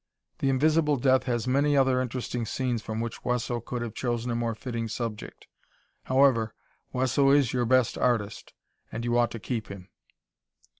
"The Invisible Death" has many other interesting scenes from which Wesso could have chosen a more fitting subject. However, Wesso is your best artist and you ought to keep him.